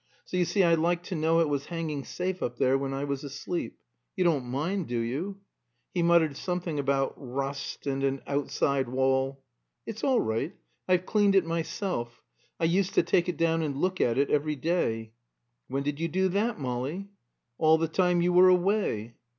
So you see I liked to know it was hanging safe up there when I was asleep. You don't mind, do you?" He muttered something about "rust" and "an outside wall." "It's all right. I've cleaned it myself. I used to take it down and look at it every day." "When did you do that, Molly?" "All the time you were away."